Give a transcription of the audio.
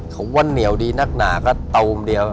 เขาว่าเหนียวดีนักหนาก็ตูมเดียว